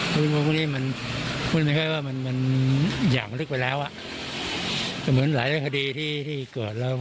พูดไม่ใช่ว่ามันมันอย่างลึกไปแล้วแต่เหมือนหลายคดีที่เกิดแล้ว